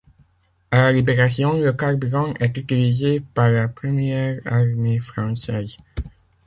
À la Libération, le carburant est utilisé par la Première Armée Française.